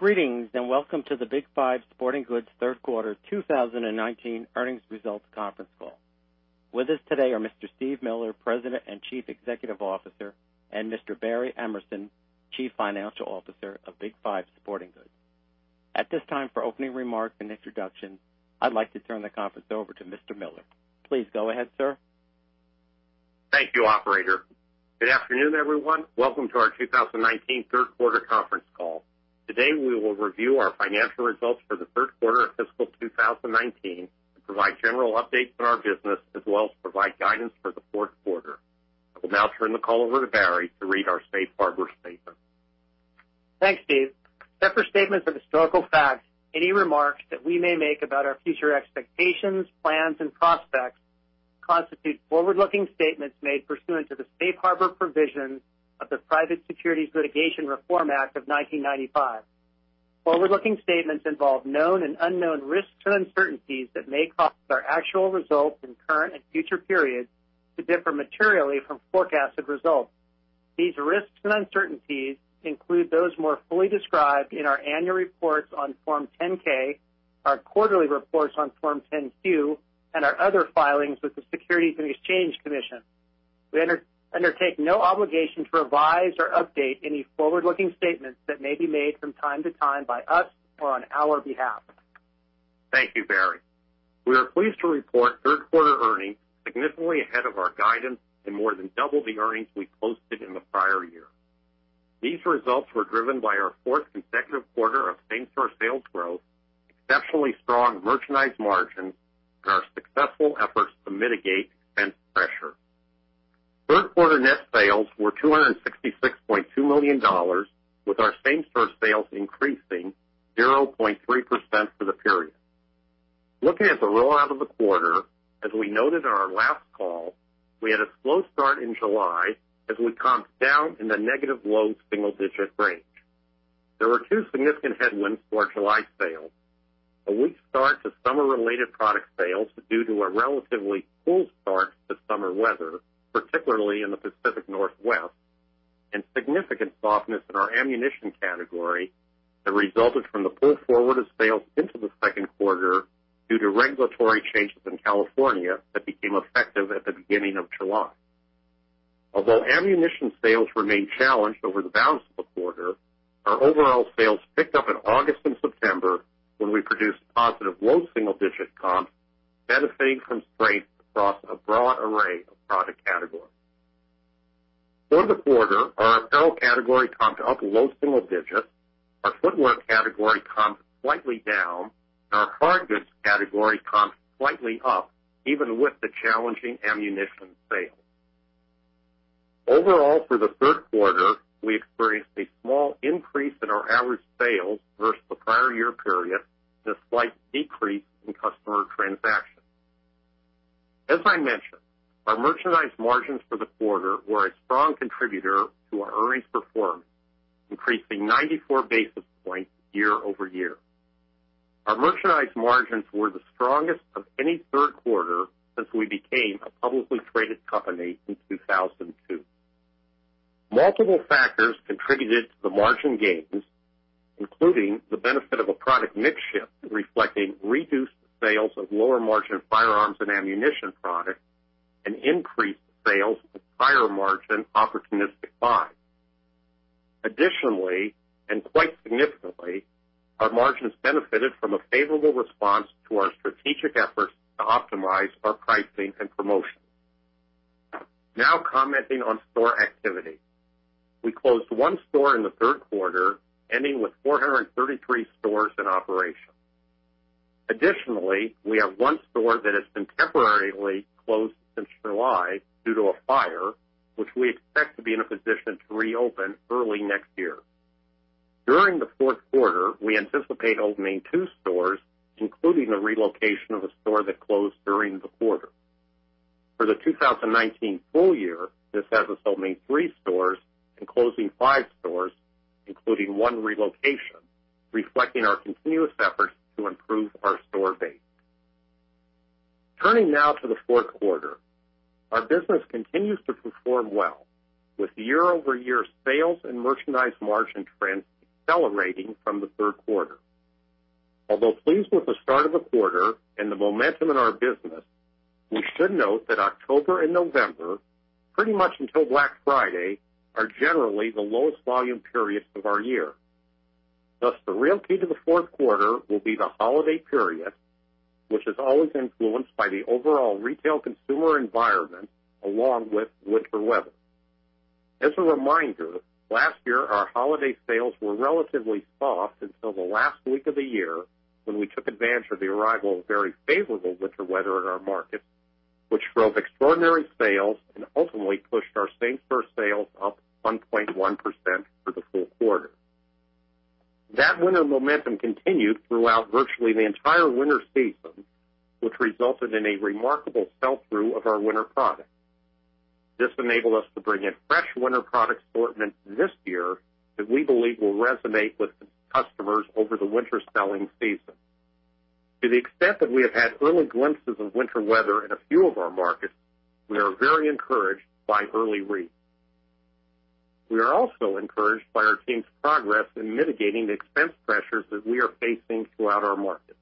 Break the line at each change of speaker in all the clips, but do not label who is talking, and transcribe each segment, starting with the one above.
Greetings, welcome to the Big 5 Sporting Goods third quarter 2019 earnings results conference call. With us today are Mr. Steve Miller, President and Chief Executive Officer, and Mr. Barry Emerson, Chief Financial Officer of Big 5 Sporting Goods. At this time, for opening remarks and introductions, I'd like to turn the conference over to Mr. Miller. Please go ahead, sir.
Thank you, operator. Good afternoon, everyone. Welcome to our 2019 third quarter conference call. Today, we will review our financial results for the third quarter of fiscal 2019 and provide general updates on our business as well as provide guidance for the fourth quarter. I will now turn the call over to Barry to read our safe harbor statement.
Thanks, Steve. Except for statements of historical facts, any remarks that we may make about our future expectations, plans, and prospects constitute forward-looking statements made pursuant to the safe harbor provisions of the Private Securities Litigation Reform Act of 1995. Forward-looking statements involve known and unknown risks and uncertainties that may cause our actual results in current and future periods to differ materially from forecasted results. These risks and uncertainties include those more fully described in our annual reports on Form 10-K, our quarterly reports on Form 10-Q, and our other filings with the Securities and Exchange Commission. We undertake no obligation to revise or update any forward-looking statements that may be made from time to time by us or on our behalf.
Thank you, Barry. We are pleased to report third quarter earnings significantly ahead of our guidance and more than double the earnings we posted in the prior year. These results were driven by our fourth consecutive quarter of same-store sales growth, exceptionally strong merchandise margins, and our successful efforts to mitigate expense pressure. Third quarter net sales were $266.2 million with our same-store sales increasing 0.3% for the period. Looking at the rollout of the quarter, as we noted on our last call, we had a slow start in July as we comped down in the negative low single-digit range. There were two significant headwinds for our July sales. A weak start to summer-related product sales due to a relatively cool start to summer weather, particularly in the Pacific Northwest, and significant softness in our ammunition category that resulted from the pull forward of sales into the second quarter due to regulatory changes in California that became effective at the beginning of July. Although ammunition sales remained challenged over the balance of the quarter, our overall sales picked up in August and September when we produced positive low single-digit comps benefiting from strength across a broad array of product categories. For the quarter, our apparel category comped up low single digits, our footwear category comped slightly down, and our hardgoods category comped slightly up even with the challenging ammunition sales. Overall for the third quarter, we experienced a small increase in our average sales versus the prior year period and a slight decrease in customer transactions. As I mentioned, our merchandise margins for the quarter were a strong contributor to our earnings performance, increasing 94 basis points year-over-year. Our merchandise margins were the strongest of any third quarter since we became a publicly traded company in 2002. Multiple factors contributed to the margin gains, including the benefit of a product mix shift reflecting reduced sales of lower-margin firearms and ammunition products and increased sales of higher-margin opportunistic buys. Additionally, and quite significantly, our margins benefited from a favorable response to our strategic efforts to optimize our pricing and promotions. Now commenting on store activity. We closed one store in the third quarter, ending with 433 stores in operation. Additionally, we have one store that has been temporarily closed since July due to a fire, which we expect to be in a position to reopen early next year. During the fourth quarter, we anticipate opening two stores, including the relocation of a store that closed during the quarter. For the 2019 full year, this has us opening three stores and closing five stores, including one relocation, reflecting our continuous efforts to improve our store base. Turning now to the fourth quarter. Our business continues to perform well, with year-over-year sales and merchandise margin trends accelerating from the third quarter. Although pleased with the start of the quarter and the momentum in our business, we should note that October and November, pretty much until Black Friday, are generally the lowest volume periods of our year. The real key to the fourth quarter will be the holiday period, which is always influenced by the overall retail consumer environment along with winter weather. As a reminder, last year, our holiday sales were relatively soft until the last week of the year when we took advantage of the arrival of very favorable winter weather in our markets, which drove extraordinary sales and ultimately pushed our same-store sales up 1.1% for the full quarter. That winter momentum continued throughout virtually the entire winter season, which resulted in a remarkable sell-through of our winter products. This enabled us to bring in fresh winter product assortments this year that we believe will resonate with customers over the winter selling season. To the extent that we have had early glimpses of winter weather in a few of our markets, we are very encouraged by early reads. We are also encouraged by our team's progress in mitigating the expense pressures that we are facing throughout our markets.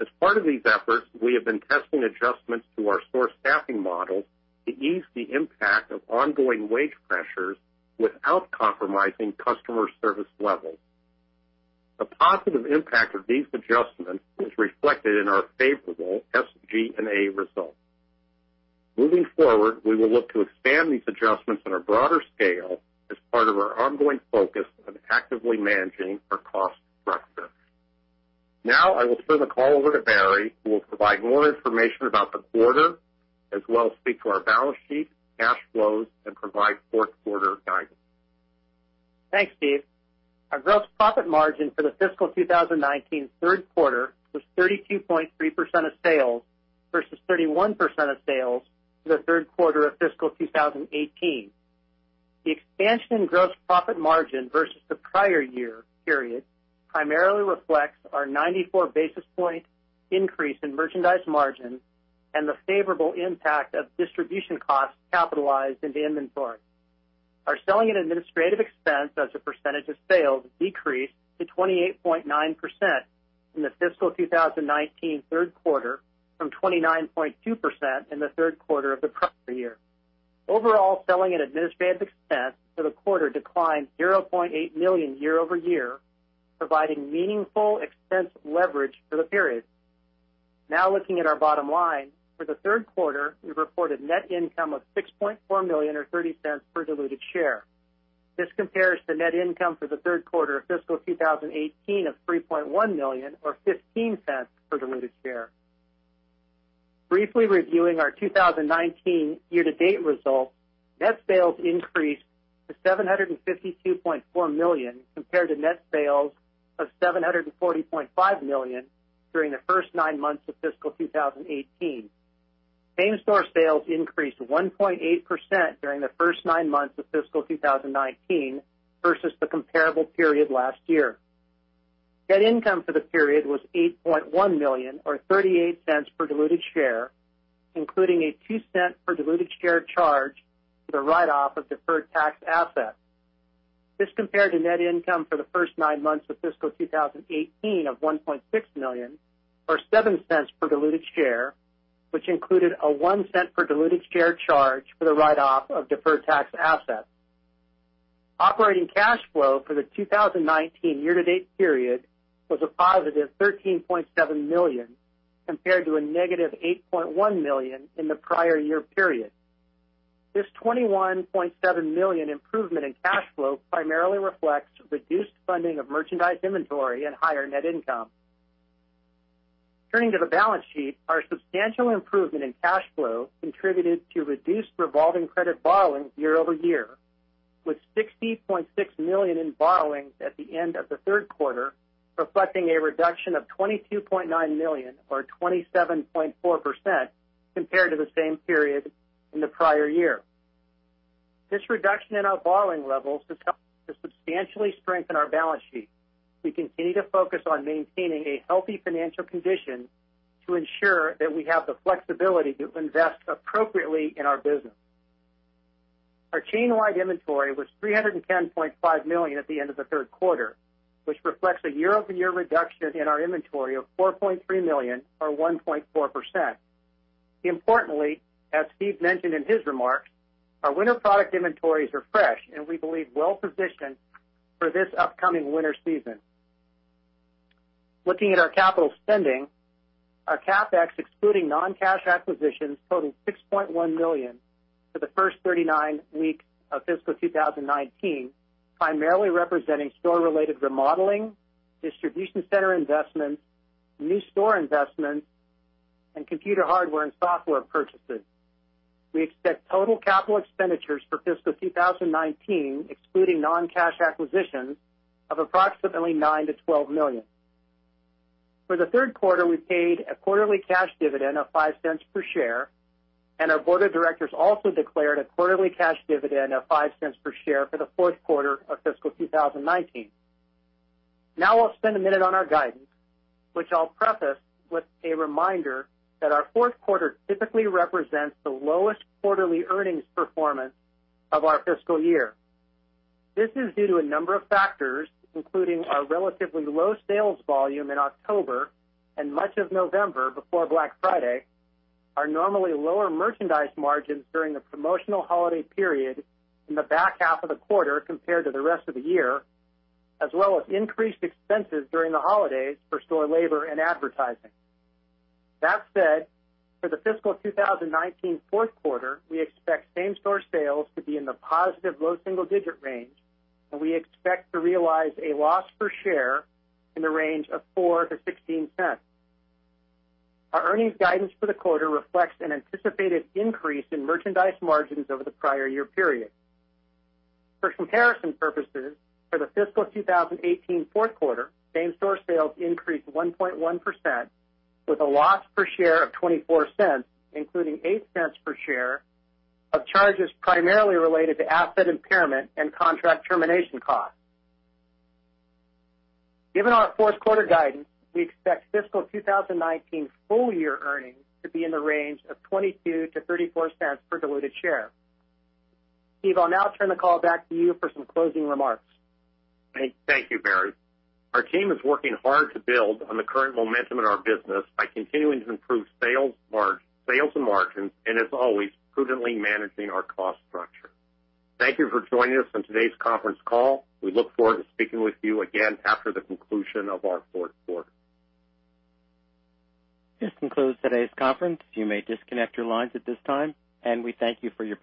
As part of these efforts, we have been testing adjustments to our store staffing model to ease the impact of ongoing wage pressures without compromising customer service levels. The positive impact of these adjustments is reflected in our favorable SG&A results. Moving forward, we will look to expand these adjustments on a broader scale as part of our ongoing focus on actively managing our cost structure. Now, I will turn the call over to Barry, who will provide more information about the quarter, as well as speak to our balance sheet, cash flows, and provide fourth quarter guidance.
Thanks, Steve. Our gross profit margin for the fiscal 2019 third quarter was 32.3% of sales, versus 31% of sales for the third quarter of fiscal 2018. The expansion in gross profit margin versus the prior year period primarily reflects our 94 basis point increase in merchandise margins and the favorable impact of distribution costs capitalized into inventory. Our selling and administrative expense as a percentage of sales decreased to 28.9% in the fiscal 2019 third quarter from 29.2% in the third quarter of the prior year. Overall, selling and administrative expense for the quarter declined $0.8 million year-over-year, providing meaningful expense leverage for the period. Now looking at our bottom line. For the third quarter, we reported net income of $6.4 million, or $0.30 per diluted share. This compares to net income for the third quarter of fiscal 2018 of $3.1 million, or $0.15 per diluted share. Briefly reviewing our 2019 year-to-date results, net sales increased to $752.4 million compared to net sales of $740.5 million during the first nine months of fiscal 2018. Same-store sales increased 1.8% during the first nine months of fiscal 2019 versus the comparable period last year. Net income for the period was $8.1 million, or $0.38 per diluted share, including a $0.02 per diluted share charge for the write-off of deferred tax assets. This compared to net income for the first nine months of fiscal 2018 of $1.6 million, or $0.07 per diluted share, which included a $0.01 per diluted share charge for the write-off of deferred tax assets. Operating cash flow for the 2019 year-to-date period was a positive $13.7 million, compared to a negative $8.1 million in the prior year period. This $21.7 million improvement in cash flow primarily reflects reduced funding of merchandise inventory and higher net income. Turning to the balance sheet, our substantial improvement in cash flow contributed to reduced revolving credit borrowings year-over-year, with $60.6 million in borrowings at the end of the third quarter, reflecting a reduction of $22.9 million, or 27.4%, compared to the same period in the prior year. This reduction in our borrowing levels has helped to substantially strengthen our balance sheet. We continue to focus on maintaining a healthy financial condition to ensure that we have the flexibility to invest appropriately in our business. Our chain-wide inventory was $310.5 million at the end of the third quarter, which reflects a year-over-year reduction in our inventory of $4.3 million, or 1.4%. Importantly, as Steve mentioned in his remarks, our winter product inventories are fresh and we believe well-positioned for this upcoming winter season. Looking at our capital spending, our CapEx, excluding non-cash acquisitions, totaled $6.1 million for the first 39 weeks of fiscal 2019, primarily representing store-related remodeling, distribution center investments, new store investments, and computer hardware and software purchases. We expect total capital expenditures for fiscal 2019, excluding non-cash acquisitions, of approximately $9 million-$12 million. For the third quarter, we paid a quarterly cash dividend of $0.05 per share, and our board of directors also declared a quarterly cash dividend of $0.05 per share for the fourth quarter of fiscal 2019. Now I'll spend a minute on our guidance, which I'll preface with a reminder that our fourth quarter typically represents the lowest quarterly earnings performance of our fiscal year. This is due to a number of factors, including our relatively low sales volume in October and much of November before Black Friday, our normally lower merchandise margins during the promotional holiday period in the back half of the quarter compared to the rest of the year, as well as increased expenses during the holidays for store labor and advertising. That said, for the fiscal 2019 fourth quarter, we expect same-store sales to be in the positive low single-digit range, and we expect to realize a loss per share in the range of $0.04-$0.16. Our earnings guidance for the quarter reflects an anticipated increase in merchandise margins over the prior year period. For comparison purposes, for the fiscal 2018 fourth quarter, same-store sales increased 1.1% with a loss per share of $0.24, including $0.08 per share of charges primarily related to asset impairment and contract termination costs. Given our fourth quarter guidance, we expect fiscal 2019 full-year earnings to be in the range of $0.22-$0.34 per diluted share. Steve, I'll now turn the call back to you for some closing remarks.
Thank you, Barry. Our team is working hard to build on the current momentum in our business by continuing to improve sales and margins, and as always, prudently managing our cost structure. Thank you for joining us on today's conference call. We look forward to speaking with you again after the conclusion of our fourth quarter.
This concludes today's conference. You may disconnect your lines at this time, and we thank you for your participation.